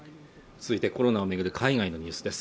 続いてコロナをめぐる海外のニュースです